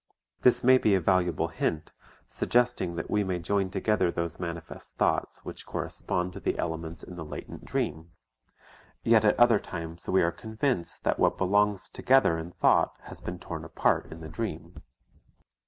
This may be a valuable hint, suggesting that we may join together those manifest thoughts which correspond to the elements in the latent dream; yet at other times we are convinced that what belongs together in thought has been torn apart in the dream.